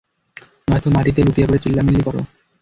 নয়তো, মাটিতে লুটিয়ে পড়ে চিল্লামিল্লি করো।